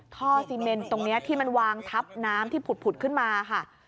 ท่อซีเมนตรงนี้ที่มันวางทับน้ำที่ผุดขึ้นมาค่ะ